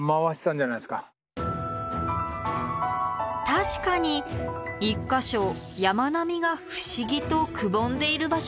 確かに１か所山並みが不思議とくぼんでいる場所がありますね。